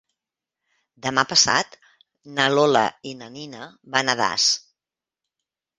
Demà passat na Lola i na Nina van a Das.